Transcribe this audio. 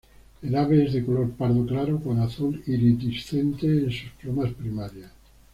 El ave es de color pardo claro con azul iridiscente en sus plumas primarias.